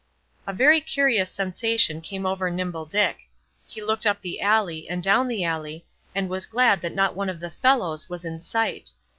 A very curious sensation came over Nimble Dick. He looked up the alley, and down the alley, and was glad that not one of the "fellows" was in sight.